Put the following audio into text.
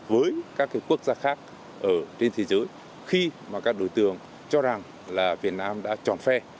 với các quốc gia khác ở trên thế giới khi mà các đối tượng cho rằng là việt nam đã chọn phe